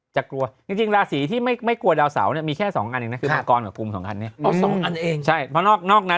จะกลัวจริงราศีที่ไม่กลัวดาวเสาร์เนี่ยมีแค่สองอันเองนะ